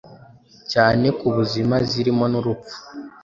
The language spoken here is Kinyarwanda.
cyane ku buzima zirimo n’urupfu